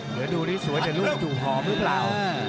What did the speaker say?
เดี๋ยวดูสวยถ้ารุ่นจู่ผอมรึเปล่า